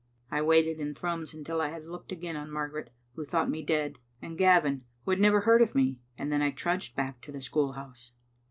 I waited in Thrums until I had looked again on Margaret, who thought me dead, and Gavin, who had never heard of me, and then I trudged back to the school house.